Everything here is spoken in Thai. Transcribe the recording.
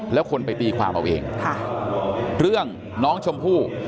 แล้วคนไปตีความเอาเองเรื่องน้องชมพู่